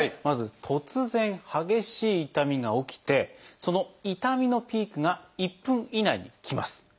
まず突然激しい痛みが起きてその痛みのピークが１分以内に来ます。